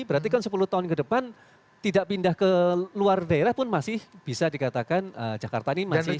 berarti kan sepuluh tahun ke depan tidak pindah ke luar daerah pun masih bisa dikatakan jakarta ini masih